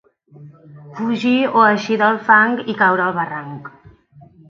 Fugir o eixir del fang i caure al barranc.